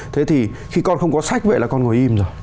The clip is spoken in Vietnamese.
thế thì khi con không có sách vậy là con ngồi im rồi